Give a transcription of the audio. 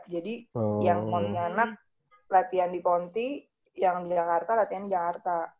jadi yang pontianak latihan di ponti yang di jakarta latihan di jakarta